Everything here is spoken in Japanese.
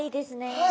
はい。